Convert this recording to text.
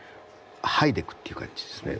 剥いでいくという感じですね。